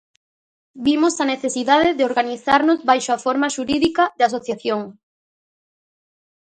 Vimos a necesidade de organizarnos baixo a forma xurídica de asociación.